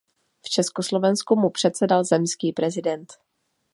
V Československu mu předsedal zemský prezident.